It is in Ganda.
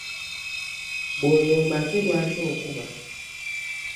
Bw'oyomba ate lwaki okuba?